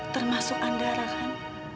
termasuk andara kan